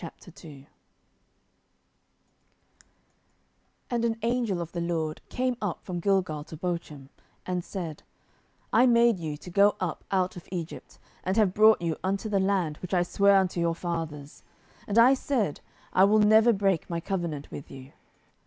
07:002:001 And an angel of the LORD came up from Gilgal to Bochim, and said, I made you to go up out of Egypt, and have brought you unto the land which I sware unto your fathers; and I said, I will never break my covenant with you.